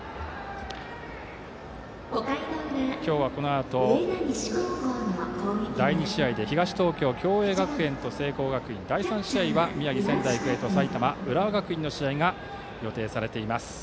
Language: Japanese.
今日は、このあと第２試合で東東京・共栄学園と聖光学院第３試合は、宮城の仙台育英と埼玉の浦和学院の試合が予定されています。